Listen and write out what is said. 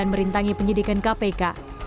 dan merintangi penyidikan kpk